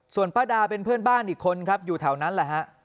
ส่วนป้าดาเป็นเพื่อนบ้านอีกคนครับอยู่แถวนั้นแหละฮะ